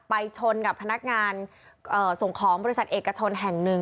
ชนกับพนักงานส่งของบริษัทเอกชนแห่งหนึ่ง